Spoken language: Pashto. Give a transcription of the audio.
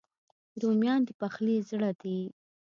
رومیان د پخلي زړه دي